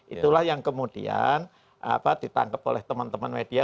itulah yang kemudian ditangkap oleh teman teman media